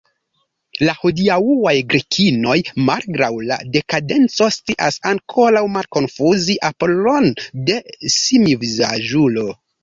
La hodiaŭaj Grekinoj, malgraŭ la dekadenco, scias ankoraŭ malkonfuzi Apollon'on de simiovizaĝulo.